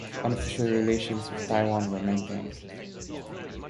Unofficial relations with Taiwan were maintained.